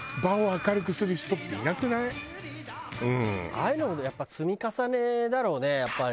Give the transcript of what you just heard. ああいうのもやっぱ積み重ねだろうねやっぱり。